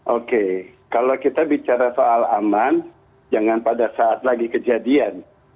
oke kalau kita bicara soal aman jangan pada saat lagi kejadian